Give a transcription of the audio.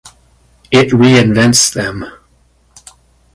It reinvents them.